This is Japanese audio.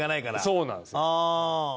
そうなんですよ。